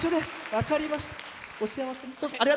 分かりました。